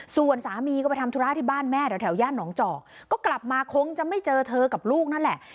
ที่บ้านแม่แล้วแถวญาติน้องเจาะก็กลับมาคงจะไม่เจอเธอกับลูกนั่นแหละ